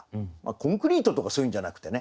コンクリートとかそういうんじゃなくてね。